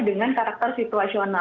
dengan karakter situasional